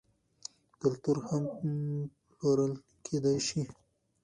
کلتور هم پلورل کیدی شي.